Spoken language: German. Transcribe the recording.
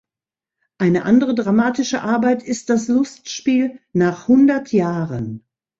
Eine andere dramatische Arbeit ist das Lustspiel "Nach hundert Jahren".